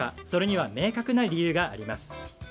それには明確な理由があります。